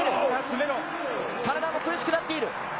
カナダも苦しくなっている。